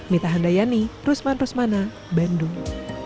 mita handayani rusman rusmana bandung